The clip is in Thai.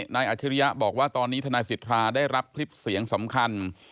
อาชิริยะบอกว่าตอนนี้ทนายสิทธาได้รับคลิปเสียงสำคัญ